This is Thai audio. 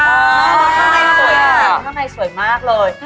เออข้างในสวยมากเลย